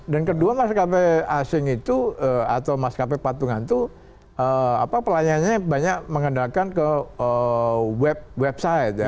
dan kedua maskapai asing itu atau maskapai patungan itu pelanjanya banyak mengandalkan ke website